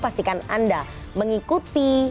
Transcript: pastikan anda mengikuti